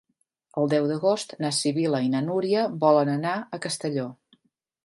El deu d'agost na Sibil·la i na Núria volen anar a Castelló.